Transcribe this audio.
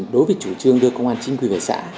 đối với chủ trương đưa công an chính quy về xã